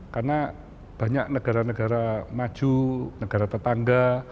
karena banyak negara negara maju negara tetangga